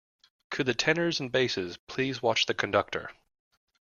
Could the tenors and basses please watch the conductor?